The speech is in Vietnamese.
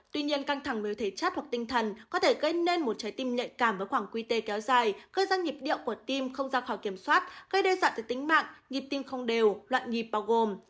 tuy nhiên căng thẳng về thể chất hoặc tinh thần có thể gây nên một trái tim nhạy cảm với khoảng qt kéo dài gây ra nhịp điệu của tim không ra khỏi kiểm soát gây đe dọa tới tính mạng nhịp tim không đều loạn nhịp bao gồm